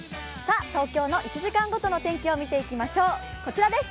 東京の１時間ごとの天気を見ていきましょう。